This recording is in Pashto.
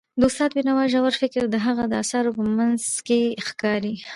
د استاد بینوا ژور فکر د هغه د اثارو په منځ کې ښکاري.